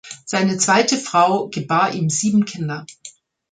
Seine zweite Frau gebar ihm sieben Kinder.